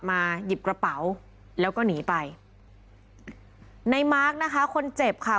หยิบกระเป๋าแล้วก็หนีไปในมาร์คนะคะคนเจ็บค่ะ